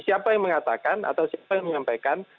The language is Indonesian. siapa yang mengatakan atau siapa yang menyampaikan